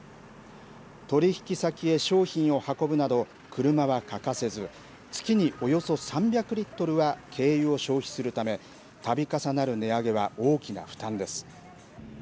取り引き先へ商品を運ぶなど、車は欠かせず、月におよそ３００リットルは軽油を消費するため、たび重なる値上げは大きな負担です。